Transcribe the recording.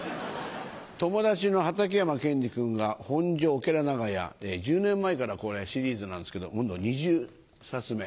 友達の畠山健二君が『本所おけら長屋』１０年前からシリーズなんですけど今度２０冊目。